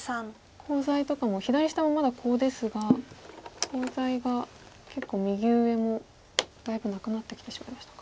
コウ材とかも左下もまだコウですがコウ材が結構右上もだいぶなくなってきてしまいましたか。